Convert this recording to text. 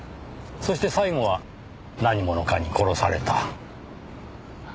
そして最後は何者かに殺された。